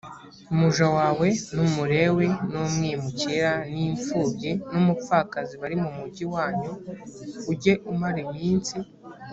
muja wawe n umulewi n umwimukira n imfubyi n umupfakazi bari mu mugi wanyu ujye umara iminsi